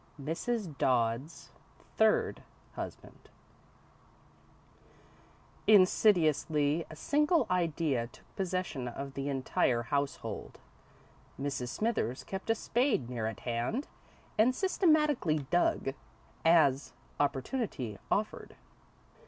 XI Mrs. Dodd's Third Husband Insidiously, a single idea took possession of the entire household. Mrs. Smithers kept a spade near at hand and systematically dug, as opportunity offered.